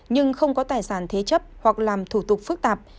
nhưng không có tài sản thế chấp hoặc làm thủ tục phức tạp